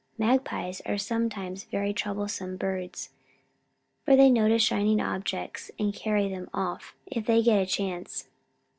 Magpies are sometimes very troublesome birds, for they notice shining objects and carry them off if they get a chance."